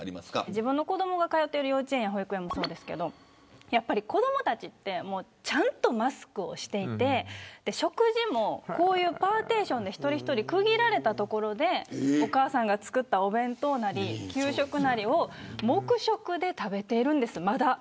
自分の子どもが通っている保育園、幼稚園もそうですが子どもたちはちゃんとマスクをしていて食事も、こういうパーテーションでちゃんと区切られた所でお母さんが作ったお弁当なり給食なりを黙食で食べているんです。